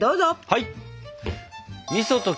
はい！